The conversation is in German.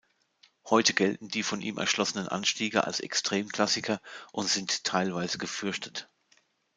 Heute gelten die von ihm erschlossenen Anstiege als Extrem-Klassiker und sind teilweise gefürchtet.